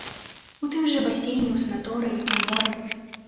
У тым жа басейне, у санаторыі, на моры.